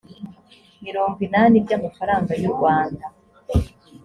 mirongo inani by amafaranga y u rwanda